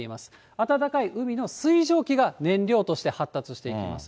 暖かい海の水蒸気が燃料として発達していきます。